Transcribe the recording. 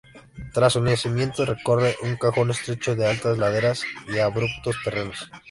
Tras su nacimiento recorre un cajón estrecho de altas laderas y abruptos terrenos.